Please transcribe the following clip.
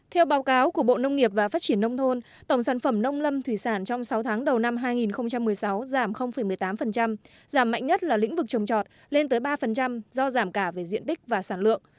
theo báo cáo của bộ nông nghiệp và phát triển nông thôn tổng sản phẩm nông lâm thủy sản trong sáu tháng đầu năm hai nghìn một mươi sáu giảm một mươi tám giảm mạnh nhất là lĩnh vực trồng trọt lên tới ba do giảm cả về diện tích và sản lượng